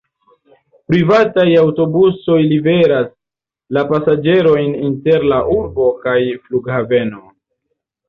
Privataj aŭtobusoj liveras la pasaĝerojn inter la urbo kaj flughaveno.